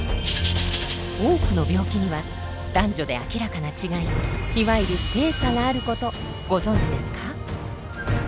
多くの病気には男女で明らかな違いいわゆる性差があることご存じですか？